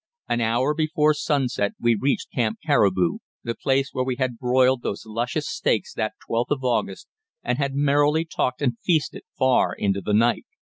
An hour before sunset we reached Camp Caribou, the place where we had broiled those luscious steaks that 12th of August and had merrily talked and feasted far into the night.